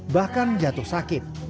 bahkan jatuh sakit